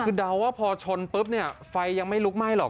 คือเดาว่าพอชนปุ๊บเนี่ยไฟยังไม่ลุกไหม้หรอก